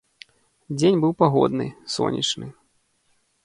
Дзень быў пагодны, сонечны.